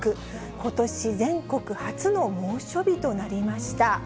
ことし全国初の猛暑日となりました。